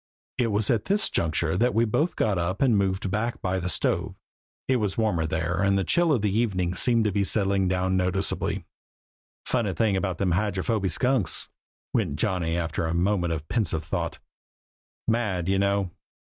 It was at this juncture that we both got up and moved back by the stove. It was warmer there and the chill of evening seemed to be settling down noticeably. "Funny thing about Hydrophoby Skunks," went on Johnny after a moment of pensive thought "mad, you know!"